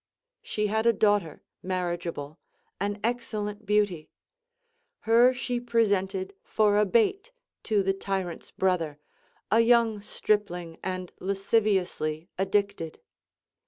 She had a daughter marriageable, an excellent beauty. Her she presented for a bait to the tyrant's brother, a young stripling and lasciviously addicted.